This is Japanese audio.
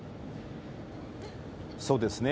そうですね。